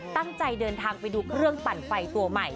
ตั้งใจเดินทางไปดูเครื่องปั่นไฟตัวใหม่